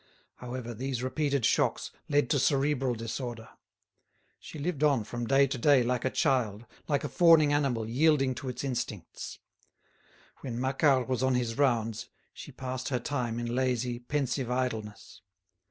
However, these repeated shocks led to cerebral disorder. She lived on from day to day like a child, like a fawning animal yielding to its instincts. When Macquart was on his rounds, she passed her time in lazy, pensive idleness.